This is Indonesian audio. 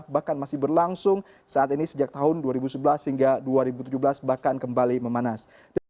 bahkan masih berlangsung saat ini sejak tahun dua ribu sebelas hingga dua ribu tujuh belas bahkan kembali memanas